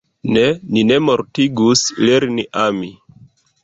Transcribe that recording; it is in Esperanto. Ne, ne mortigus, lerni ami.